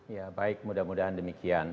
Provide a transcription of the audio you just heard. ya baik mudah mudahan demikian